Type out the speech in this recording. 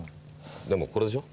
でもこれでしょ？